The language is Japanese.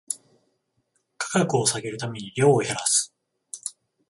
価格を下げるために量を減らす